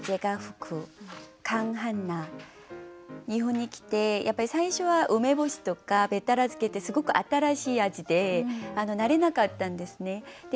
日本に来てやっぱり最初は梅干しとかべったら漬けってすごく新しい味で慣れなかったんですね。